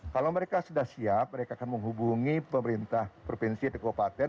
kalau mereka sudah siap mereka akan menghubungi pemerintah provinsi atau kabupaten